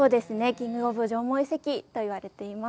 キング・オブ・縄文遺跡と言われています。